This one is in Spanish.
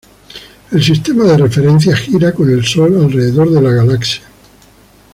El sistema de referencia gira con el Sol alrededor de la galaxia.